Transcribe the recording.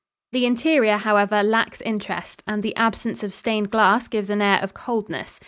The interior, however, lacks interest, and the absence of stained glass gives an air of coldness.